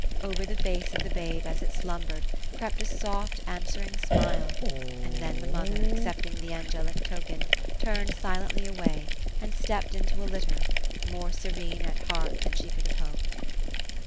Over the face of the babe, as it slumbered, crept a soft answering smile ; and then the mother, accepting the angelic token, turned silently away, and stepped into a litter, more serene at heart than she could have hoped.